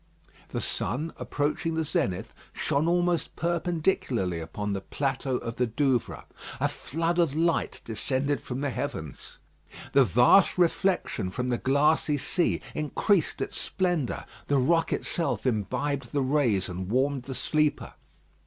The sun, approaching the zenith, shone almost perpendicularly upon the plateau of the Douvres. A flood of light descended from the heavens; the vast reflection from the glassy sea increased its splendour: the rock itself imbibed the rays and warmed the sleeper.